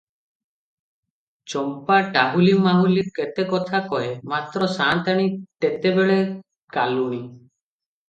ଚମ୍ପା ଟାହୁଲି ମାହୁଲି କେତେ କଥା କହେ; ମାତ୍ର ସାଆନ୍ତାଣୀ ତେତେବେଳେ କାଲୁଣୀ ।